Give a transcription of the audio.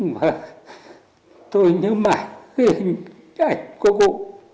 và tôi nhớ mãi cái hình ảnh của cụ